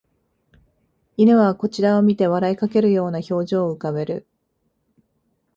犬はこちらを見て笑いかけるような表情を浮かべる